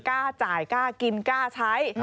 กล้าจ่ายกล้ากินกล้าใช้